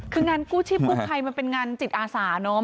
คืองานกู้ชีพกู้ภัยมันเป็นงานจิตอาสาเนอะ